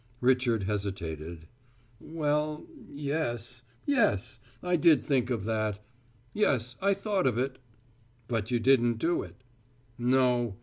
Richard hesitated. "Well yes. Yes, I did think of that. Yes, I thought of it." "But you didn't do it." "No.